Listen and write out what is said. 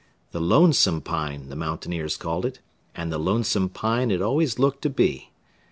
The Lonesome Pine, the mountaineers called it, and the Lonesome Pine it always looked to be.